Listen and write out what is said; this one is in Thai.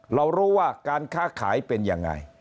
เรารู้ว่าการค้าขายเป็นยังไง